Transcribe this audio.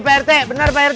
pak rt bener pak rt